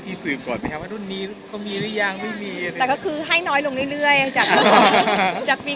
ก็ก็ใต้เ่าปกติก่อนนะคะเขาก็ไม่ได้แพงมากกว่านี้